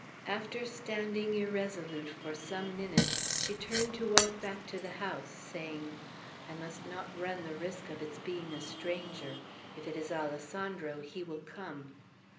After standing irresolute for some minutes, she turned to walk back to the house, saying, "I must not run the risk of its being a stranger. If it is Alessandro, he will come."